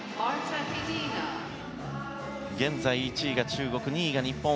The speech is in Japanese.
現在１位が中国２位が日本。